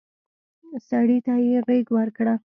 سړي ته يې غېږ ورکړه.